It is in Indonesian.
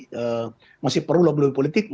jadi masih perlu lebih lebih politik